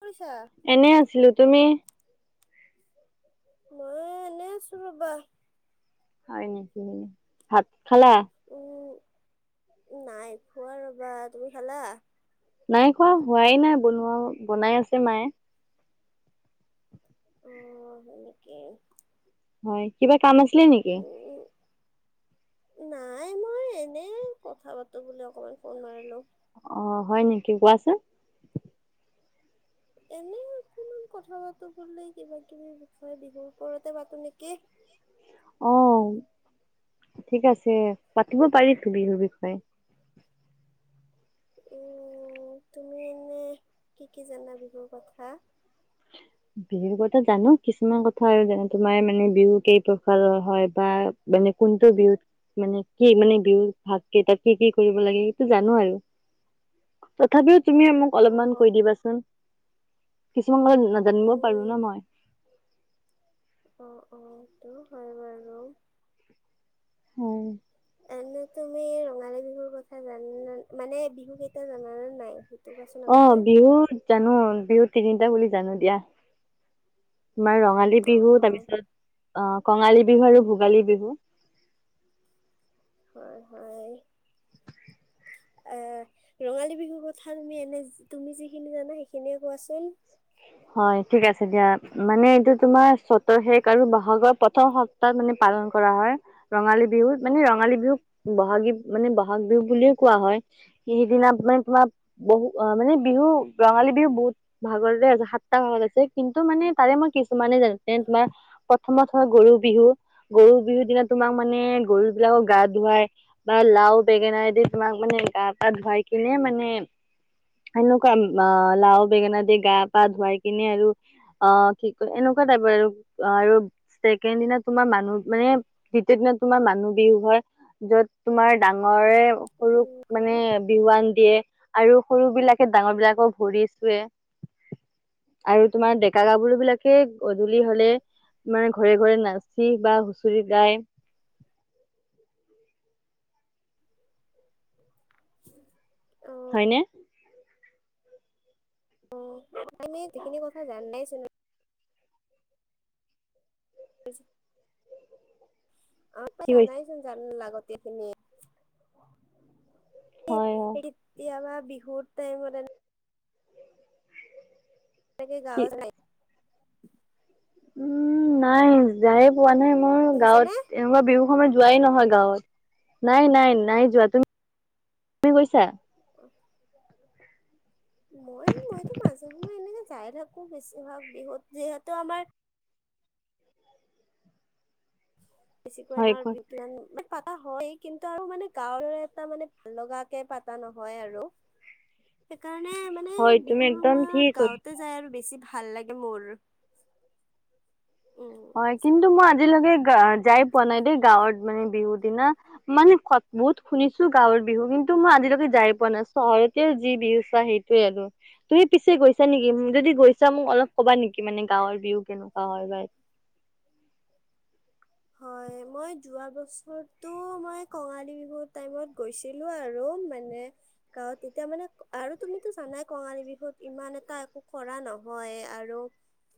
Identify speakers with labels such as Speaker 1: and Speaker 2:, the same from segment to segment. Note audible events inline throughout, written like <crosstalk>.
Speaker 1: কৰিছা?
Speaker 2: এনে আছিলো। তুমি?
Speaker 1: মইয়ো এনেই আছোঁ ৰবা।
Speaker 2: হয় নেকি, ভাত খালা?
Speaker 1: উম, নাই খোৱা ৰ'বা। তুমি খালা?
Speaker 2: নাই খোৱা হোৱাই নাই বনোৱা বনাই আছে মায়ে। <unintelligible>
Speaker 1: অ' হয় নেকি?
Speaker 2: হয়, কিবা কাম আছিলে নেকি?
Speaker 1: উম নাই মই এনে কথা পাতোঁ বুলি অকমান ফোন মাৰিলো।
Speaker 2: অ' হয় নেকি? কোৱাচোন।
Speaker 1: এনেই। অকমান কথা পাতো বুলি, কিবা-কিবি বিষয় বিহুৰ ওপৰতে পাতো নেকি।
Speaker 2: আহ। ঠিক আছে, পাতিব <unintelligible> বিহুৰ বিষয়ে।
Speaker 1: তুমি এনে কি কি জানা বিহুৰ কথা?
Speaker 2: বিহুৰ কথা জানো কিছুমান কথা আৰু যেনে তোমাৰ মানে বিহু কেই প্ৰকাৰৰ হয় বা মানে কোনটো বিহুত মানে কি মানে বিহুত ভাগ কেইটা কি কি কৰিব লাগে সেইটো জানো আৰু
Speaker 1: <unintelligible>
Speaker 2: তথাপিও তুমি মোক
Speaker 1: অ
Speaker 2: অলপমান কৈ দিবাচোন কিছুমান কথা নাজানিব পাৰো ন
Speaker 1: উম
Speaker 2: মই
Speaker 1: অ অ এটো হয় বাৰু
Speaker 2: হয়
Speaker 1: এনে তুমি ৰঙালী বিহুৰ কথা জান মানে বিহুকেইটা জানা নে নাই সেইটো কোৱাচোন
Speaker 2: অ
Speaker 1: আগতে
Speaker 2: বিহুত জানো বিহুত তিনিটা বুলি জানো দিয়া তোমাৰ ৰঙালী বিহু তাৰ
Speaker 1: অ',
Speaker 2: পিছত অ কঙালী বিহু আৰু ভোগালী বিহু
Speaker 1: হয় হয় আহ ৰঙালী বিহুৰ কথা তুমি এনে তুমি যিখিনি জানা সেইখিনিয়ে কোৱাচোন
Speaker 2: হয় ঠিক আছে দিয়া মানে এইটো তোমাৰ চতৰ শেষ আৰু বহাগৰ প্ৰথম সপ্তাহ মানে পালন কৰা হয় ৰঙালী বিহু মানে ৰঙালী বিহুক বহাগী মানে বহাগ বিহু বুলিয়ে কোৱা হয় সি সিদিনা মানে তোমাৰ বহু অ মানে বিহু ৰঙালী বিহু বহুত ভাগৰে আছে সাট টা ভাগত আছে কিন্তু মানে তাৰে মই কিছুমানে জানো যেনে তোমাৰ প্ৰথমত হয় গৰু বিহু গৰু বিহুৰ দিনা তোমাক মানে গৰু বিলাকক গা ধুৱাই বা লাও বেঙেনাই দি তোমাক মানে গা গা পা ধুৱাই কিনে মানে সেনেকুৱা লাও বেঙেনা দিয়ে গা পা ধুৱাই কিনে আৰু অ কি কয় এনেকুৱা টাইপৰ আৰু আৰু ছেকেণ্ড দিনা তোমাৰ মানুহ মানে দ্বিতীয় তোমাৰ মানুহ বিহু হয় য'ত তোমাৰ ডাঙৰে সৰু
Speaker 1: উম, কোৱা
Speaker 2: মানে বিহুৱান দিয়ে আৰু সৰু বিলাকে ডাঙৰ বিলাকক ভৰি চুৱে আৰু তোমাৰ ডেকা গাভৰু বিলাকে গধূলি হলে মানে ঘৰে- ঘৰে নাচি বা হুঁচৰি গায়।
Speaker 1: উ <inaudible>
Speaker 2: হয়নে
Speaker 1: অ' আমি যিখিনি কথা জান নাইছিলো <inaudible> সজ <inaudible> অ'
Speaker 2: কি কৈছে
Speaker 1: জানাইচোন জান লাগতেখিনি।
Speaker 2: হয় হয়
Speaker 1: এতিয়াবা বিহুৰ টাইমৰ এৰকে
Speaker 2: কি
Speaker 1: গাঁৱত ৰাই <inaudible>
Speaker 2: উম, নাই যায় পোৱা নাই মোৰ
Speaker 1: শুনিছানে?
Speaker 2: গাঁৱত এনেকুৱা বিহু সময় যোৱাই নহয় গাঁৱত, নাই নাই নাই যোৱা তুমি - তুমি গৈছা?
Speaker 1: <inaudible> মোৰ মইতো মাজে সময় এনেকে যাই থাকো বেছিভাগ বিহুত যিহেতু আমাৰ বেছিকৈ
Speaker 2: হয়
Speaker 1: আমাৰ
Speaker 2: কোৱা
Speaker 1: বিদ্য পাতা হয় কিন্তু আৰু মানে গাঁৱৰ এটা মানে ভাল লগাকে পাতা নহয় আৰু। এক
Speaker 2: হয় তুমি একদম ঠিক হ
Speaker 1: গাঁৱতে যাই আৰু বেছি ভাল লাগে মোৰ। উম।
Speaker 2: হয় কিন্তু মই আজিলৈকে যাই পোৱা নাই দেই গাঁৱত মানে বিহু দিনা, মানে ক বহুত শুনিছো গাঁৱৰ বিহু কিন্তু টো মই আজিলৈকে যাই পোৱা নাই চহৰতেও যি বিহু চুৱা সেইটোয়ে আৰু তুমি পিছে গৈছা নেকি যদি যদি গৈছা মোক অলপ ক'বা নেকি মানে গাঁৱৰ বিহু কেনেকুৱা হয় বা
Speaker 1: হয়। মই যোৱা বছৰটো মই কঙালী বিহুৰ টাইমত গৈছিলোঁ আৰু মানে। গাঁৱত তেতিয়া মানে আৰু তুমিতটো জানাই কঙালী বিহুত ইমান এটা একো কৰা নহয়।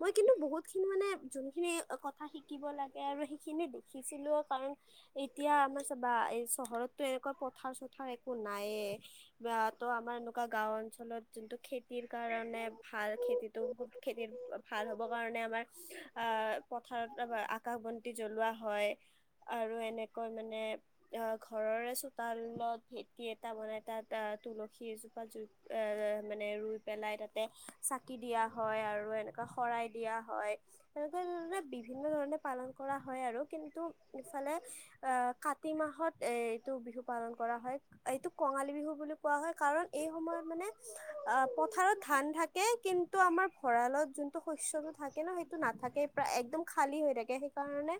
Speaker 1: মই কিন্তু বহুত খিনি মানে যোনখিনি কথা শিকিব লাগে আৰু খিনি দেখিছিলো কাৰণ এতিয়া আমাৰ চ চহৰতো এনেকুৱা পথাৰ চথাৰ একো ন নায়ে বা তো আমাৰ এনেকুৱা গাওঁ অঞ্চলত যোনটো খেতি খেতিৰ কাৰণে ভাল খেতিটো- খেতিৰ ভাল হ'বৰ কাৰণে আমাৰ পথাৰত আকাশ ব জ্বলোৱা হয় আৰু এনেকৈ মানে আহ ঘৰৰে চোতালত ভ এ মানে তাত তুলসী এজোপা জু মানে ৰুই পেলাই তাতে দিয়া হয় আৰু এনেকুৱা শৰাই দিয়া হয় এনেকুৱা ধে বিভিন্ন ধৰণে পালন কৰা হয় আৰু কিন্তু ইফালে আহ কাতি মাহত এ এইটো বিহু পালন কৰা হয়। এইটো কঙালী বিহু বুলি কোৱা হয়। কাৰণ এই সময়ত মানে আহ পথাৰত ধান থাকে কিন্তু আমাৰ ভঁৰালত যোনটো শস্যটো থাকে ন! সেইটো নাথাকে প্ৰায় একদম খালী হৈ থাকে কাৰণে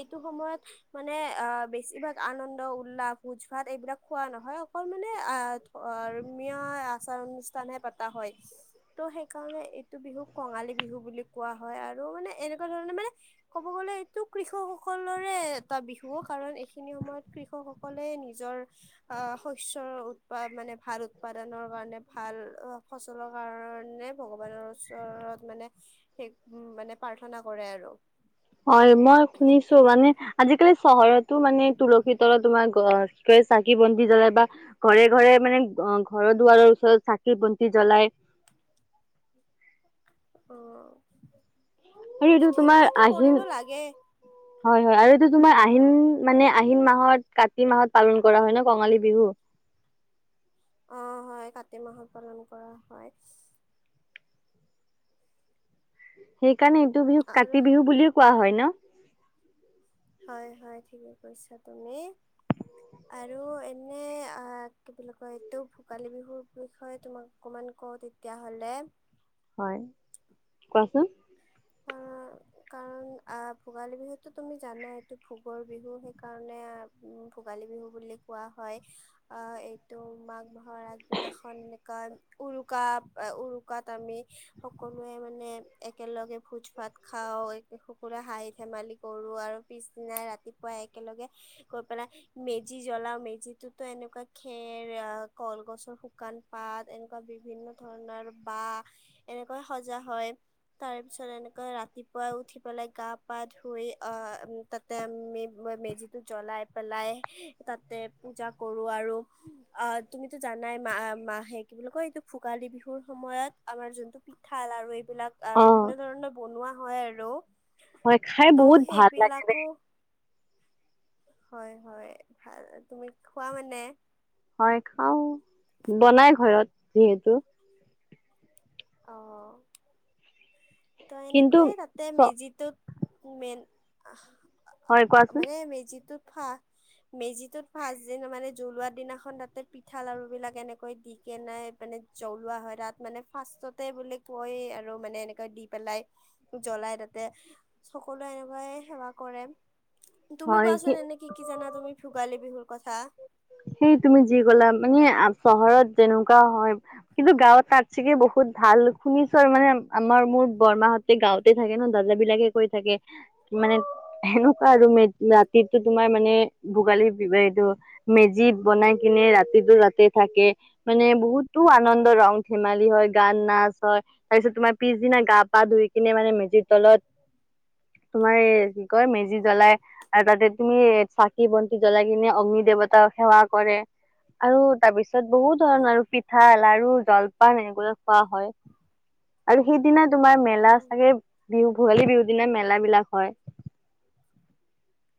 Speaker 1: এইটো সময়ত মানে আহ বেছিভাগ আনন্দ উল্লাস ভোজ ভাত এইবিলাক কোৱা নহয় অকল মানে আহ ধৰ্মীয় আচাৰ অনুষ্ঠানহে পতা হয়। ত' সেইকাৰণে এইটো বিহু কঙালী বিহু বুলি কোৱা হয়, আৰু মানে এনেকুৱা ধৰণে মানে ক'ব গলে এইটো কৃষক সকলৰে এটা বিহু কাৰণ এইখিনি সময়ত কৃষক সকলে নিজৰ অঁ ', শস্যৰ উৎপাদন মানে ভাল উৎপাদনৰ কাৰণে ভাল অঁ ফচলৰ কাৰণে ভগৱানৰ ওচৰত মানে স মানে প্ৰাৰ্থনা কৰে আৰু
Speaker 2: হয় মই শুনিছো মানে আজিকালি চহৰতো মানে তুলসীৰ তলত তোমাৰ কি চাকি বন্তি জ্বলায় বা ঘৰে ঘৰে মানে অঁ', ঘৰৰ- দুৱাৰৰ ওচৰত চাকি বন্তি জ্বলাই
Speaker 1: <inaudible>
Speaker 2: আৰু এইটো
Speaker 1: ঠিক
Speaker 2: তোমাৰ
Speaker 1: সেইটো
Speaker 2: আহিন,
Speaker 1: কৰিব লাগে
Speaker 2: হয়, হয় আৰু এইটো তোমাৰ
Speaker 1: অ
Speaker 2: আহিন মানে আহিন মাহত কাতি মাহত পালন কৰা হয় ন, কঙালী বিহু।
Speaker 1: অ', হয়, কাতি মাহত পালন কৰা হয়।
Speaker 2: সেইকাৰণে এইটো বিহু
Speaker 1: আৰু
Speaker 2: কাতি বিহু বুলি কোৱা হয় ন?
Speaker 1: হয় হয় ঠিকে কৈছা তুমি। আৰু এনে আ কি বুলি কয় এইটো ভোগালী বিহুৰ বিষয়ে তোমাক অকমান কওঁ তেতিয়াহ'লে।
Speaker 2: হয় কোৱাচোন।
Speaker 1: অ কাৰণ আ, ভোগালী বিহুতো তুমি জানা এইটো ভোগৰ বিহু সেইকাৰণে আ, ভো ভোগালী বিহু বুলি কোৱা হয়। আ, এইটো মাঘ মাহৰ আগদিনাখন <unintelligible> উৰুকা, আ, উৰুকাত আমি সকলোৱে মানে একেলগে ভোজ, ভাত খাওঁ সকলোৱে হাঁহি ধেমালি কৰোঁ, আৰু পিছদিনাই ৰাতিপুৱাই একেলগে গৈ পেলাই মেজি জ্বলাওঁ, মেজিটোতো এনেকুৱা খেৰ অ', কলগছৰ শুকান পাত এ এনেকুৱা বিভিন্ন ধৰণৰ বা, এনেকৈ সজা হয়। তাৰ তেনেকৈ ৰাতিপুৱা উঠি পেলাই গা পা ধুই আহ তাতে আমি মে-মেজিটো জ জ্বলাই পেলাই তাতে পুজা কৰো আৰু আহ তুমিতো জানাই মা মা আহে, কি বুলি কয় এইটো ভোগালী বিহুৰ সময়ত আমাৰ যোনটো পিঠা, লাড়ু এইবিলাক
Speaker 2: অ
Speaker 1: বিভি বিভিন্ন ধৰণৰ বনোৱা হয় আৰু,
Speaker 2: হয় খাই
Speaker 1: ত'
Speaker 2: বহুত ভাল লাগে দেই
Speaker 1: সেইবিলাকো হয় হয়, ভাল, তুমি খোৱা মানে।
Speaker 2: হয় খাও বনাই ঘৰত যিহেতু
Speaker 1: অ'। ত'
Speaker 2: কিন্তু
Speaker 1: এনেকৈয়ে তাতে,
Speaker 2: চ
Speaker 1: মেজিটোত-মেইন আহ
Speaker 2: হয় কোৱাচোন
Speaker 1: মানে মেজিটো ফা মেজিটোত ফাৰ্ছ দিনা মানে জ্বলোৱা দিনাখন তাতে পিঠা, লাৰুবিলাক এনেকৈ দি কেনাই মানে জ্বলোৱা হয়, তাত মানে ফাৰ্ষ্টতে বোলে কয় আৰু মানে এনেকৈ দি পেলাই, জ্বলাই তাতে, সকলোৱে এনেকুৱাই সেৱা কৰে। তুমি কোৱাচোন এনে কি কি জানা তুমি ভোগালী বিহুৰ কথা।
Speaker 2: সেই তুমি যি ক'লা, মানে আম চহৰত যেনেকুৱা হয়, কিন্তু গাঁৱত তাত চাগে বহুত ভাল, শুনিছোঁ আৰু মানে আমাৰ মো মোৰ বৰমাহঁতে গাওঁতে থাকে ন, দাদা বিলাকে কৈ থাকে, মানে সেনেকুৱা আৰু মেজ ৰাতিতো তোমাৰ মানে ভোগালীৰ বিহু এইটো মেজিত বনাই কিনে ৰাতিটো ৰাতে থাকে, মানে বহুত তো আনন্দ ৰং-ধেমালি হয়, গান নাচ হয়, তাৰ পিছত তোমাৰ পিছদিনা গা-পা ধুই কিনে মানে মেজিৰ তলত তোমাৰ এই কি কয় মেজি জ্বলাই, আৰু তাতে তুমি চাকি বন্তি জ্বলাই কিনে অগ্নি দেৱতাক সেৱা কৰে, আৰু তাৰপিছত ছত বহুত ধৰণৰ আৰু পিঠা, লাৰু, জলপান এনেকৈ খোৱা হয়, আৰু সেই দিনা তোমাৰ মেলা চাগে বিহু ভোগালী বিহু দিনা মেলা বিলাক হয়।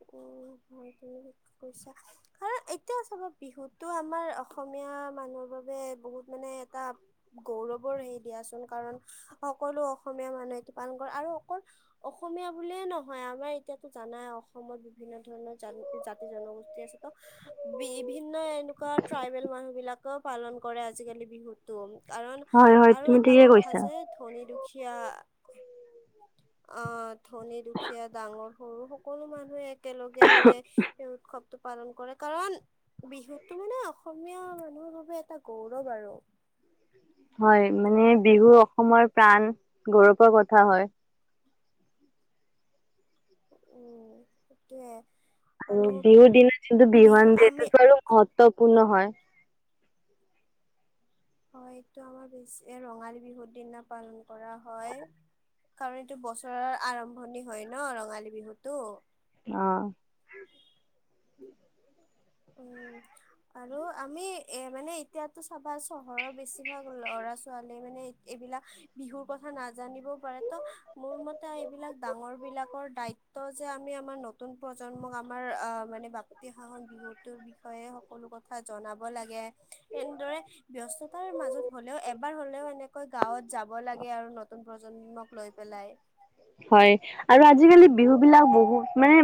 Speaker 1: উম <unintelligible> কৈছা কাৰণ এতিয়াও চাবা বিহুতো আমাৰ অসমীয়া। মানুহৰ বাবে বহুত মানে এটা গৌৰৱৰ হেৰি দিয়াচোন কাৰণ সকলো অসমীয়া মানুহে এইটো পালন কৰে আৰু অকল অসমীয়া বুলিয়ে নহয় আমাৰ এতিয়াতো জানাই অসমত বিভিন্ন ধৰণৰ জাতি জনগোষ্ঠী আছে ত বিভিন্ন এনেকুৱা ট্ৰাইবেল মানুহ বিলাকেও পালন কৰে আজিকালি বিহুতো, কাৰণ
Speaker 2: হয় হয়
Speaker 1: আৰু
Speaker 2: তুমি
Speaker 1: এটা
Speaker 2: ঠিকে
Speaker 1: কথা
Speaker 2: কৈছা
Speaker 1: যে ধনী দুখ দুখীয়া আহ ধনী দুখীয়া ডাঙৰ সৰু সকলো মানুহ একেলগে মানে এই উৎসৱটো পালন কৰে কাৰণ বিহুটো মানে অসমীয়া মানুহৰ বাবে এটা গৌৰৱ আৰু। <inaudible>
Speaker 2: হয় মানে বিহু অসমৰ প্ৰাণ গৌৰৱৰ কথা হয়।
Speaker 1: উম, সেইটোৱে।
Speaker 2: আৰু বিহুৰ দিনাত যোনতো
Speaker 1: বিহু
Speaker 2: বিহুৱান
Speaker 1: আমি
Speaker 2: দিয়াটোতো আৰু মহত্বপূৰ্ণ হয়।
Speaker 1: হয়, এইটো আমাৰ বেছি ৰঙালী বিহুৰ দিনা পালন কৰা হয়। কাৰণ এইটো বছৰৰ আৰম্ভণি হয়, ন' ৰঙালী বিহুটো।
Speaker 2: অ'।
Speaker 1: উম আৰু আমি এ, মানে এতিয়াতো চাবা চহৰৰ বেছিভাগ ল'ৰা ছোৱালী মানে এইবিলাক বিহুৰ কথা নাজানিবও পাৰে ত মোৰ মতে এইবিলাক ডাঙৰ বিলাকৰ দায়িত ত যে আমি আমাৰ নতুন প্ৰজন্মক আমাৰ আ মানে বাপতি সাহন বিহুত টো বিষয়ে সকলো কথা জনাব লাগে, এনেদৰে ব্যস্ততাৰ মাজত হ'লেও এব এবাৰ হ'লেও এনেকৈ গাঁৱত যাব লাগে আৰু নতুন প্ৰজন্মক লৈ পেলাই।
Speaker 2: হয় আৰু আজিকালি বিহু বিলাক বহুত মানে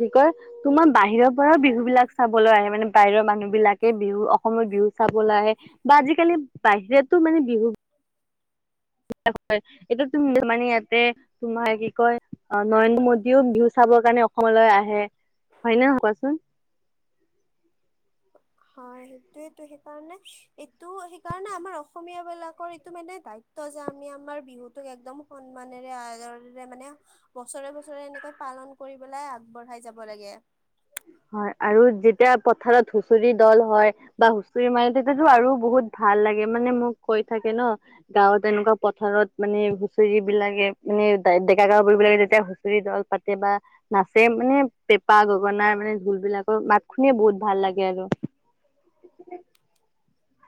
Speaker 2: কি কয় তোমাৰ বাহিৰৰ পৰাও বিহু বিলাক চাবলৈ আহে, মানে বাহিৰৰ মানুহ বিলাকে বিহু অসমৰ বিহু চাবলে আহে বা আজিকালি বাহিৰতো মানে বিহু <unintelligible> এইটো তুমি মানে ইয়াতে তোমাৰ কি কয় অ', নৰেন্দ্ৰ মোদীও বিহু চাবৰ কাৰণে অসমলৈ আহে, হয়নে নহয় কোৱাচোন?
Speaker 1: হয়, সেইটোয়েটো সেইকাৰণে এইটো সেইকাৰণে আমাৰ অসমীয়া বিলাকৰ এইটো মানে দায়ি ত' যে, আমি আমাৰ বিহুতোক একদম সন্মানেৰে আদৰেৰে মানে বছৰে, বছৰে এনেকৈ পা পালন কৰিবলৈ আগবঢ়াই যাব লাগে।
Speaker 2: হয়, আৰু যেতিয়া পথাৰত হুচৰি দল হয়, বা হুচৰি মাৰে তেতিয়াটো আৰু বহুত ভা ভাল লাগে, মানে মোক কৈ থাকে ন' গাঁৱত এনেকুৱা পথাৰত মানে হুচৰিবিলাকে মানে ডে-ডেকা গাভৰুবিলাকে যেতিয়া হুঁচৰি দল পাতে বা নাচে মানে পেঁপা, গগনা ঢোলবিলাকৰ মাত শুনিয়ে বহুত ভাল লাগে আৰ।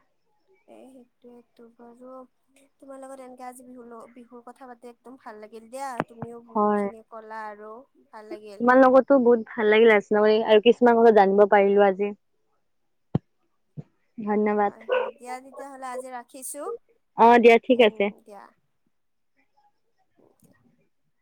Speaker 1: <inaudible> এ সেটো এটো বাৰু তোমাৰ লগত এনেকে আজি বিহু বিহুৰ কথা পাতি একদম ভাল লাগ গিল দিয়া তুমিও
Speaker 2: হয়
Speaker 1: বহুতখিনি ক'লা আৰু ভাল লাগিল।
Speaker 2: নগৰীকা আৰু কিছুমান কথা জানিব পাৰিলো আজি। ধন্যবাদ
Speaker 1: হয় হয় দিয়া তেতিয়া হ'লে আজি ৰাখিছো,
Speaker 2: অ দিয়া ঠিক আছে
Speaker 1: উম দিয়া। <inaudible>